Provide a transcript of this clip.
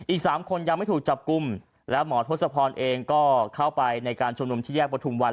อีก๓คนยังไม่ถูกจับกลุ่มแล้วหมอทศพรเองก็เข้าไปในการชุมนุมที่แยกประทุมวัน